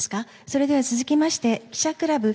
それでは、続きまして記者クラブ。